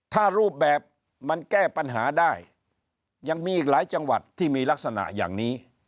ถ้ารูปแบบมันแก้ปัญหาได้ยังมีอีกหลายจังหวัดที่มีลักษณะอย่างนี้